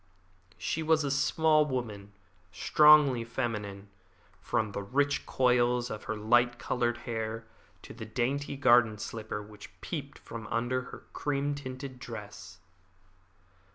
She was a small woman, strongly feminine, from the rich coils of her light coloured hair to the dainty garden slipper which peeped from under her cream tinted dress.